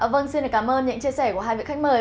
vâng xin cảm ơn những chia sẻ của hai vị khách mời